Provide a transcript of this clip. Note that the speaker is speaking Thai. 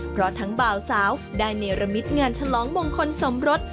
เพราะทั้งบ่าวสาวได้เนรมิตงานฉลองมงคลสมรส